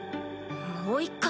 もう一回？